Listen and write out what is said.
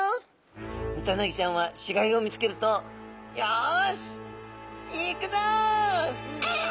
ヌタウナギちゃんは死骸を見つけると「よし行くぞ！ああ」と。